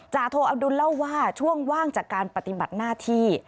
โทอดุลเล่าว่าช่วงว่างจากการปฏิบัติหน้าที่